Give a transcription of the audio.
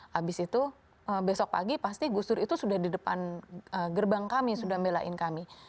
habis itu besok pagi pasti gus dur itu sudah di depan gerbang kami sudah melain kami